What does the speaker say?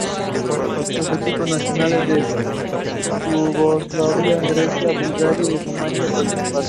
Los equipos nacionales de Yugoslavia, Grecia, Bulgaria y Rumania participaron.